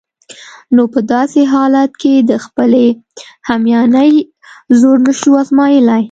نو په داسې حالت کې د خپلې همیانۍ زور نشو آزمایلای.